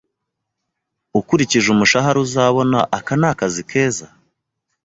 Ukurikije umushahara uzabona, aka ni akazi keza?